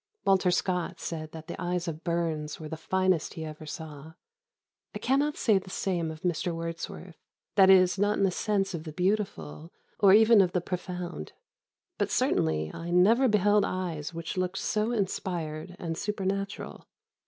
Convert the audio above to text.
Walter Scott said that the eyes of Burns were the finest he ever saw. I cannot say the same of Mr. Wordsworth; that is, not in the sense of the beautiful, or even of the profound. But certainly I never beheld eyes which looked so inspired and supernatural.